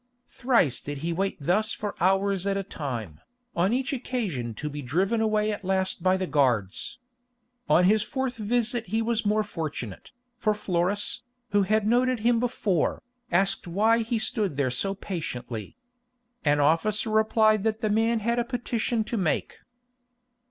Thrice did he wait thus for hours at a time, on each occasion to be driven away at last by the guards. On his fourth visit he was more fortunate, for Florus, who had noted him before, asked why he stood there so patiently. An officer replied that the man had a petition to make.